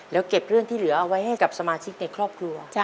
แล้วเก็บเรื่องที่เหลือเอาไว้ให้กับสมาชิกในครอบครัว